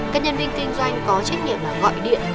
các nhân viên kinh doanh có trách nhiệm là gọi điện